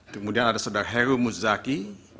kemudian ada saudara heru muzaki